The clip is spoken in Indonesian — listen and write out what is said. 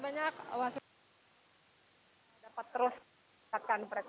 begini sebuah p structures